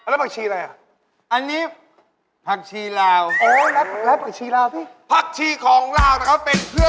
รับมาดิรับสิปลาขีฝรั่งตรงหลับด้วยหรือ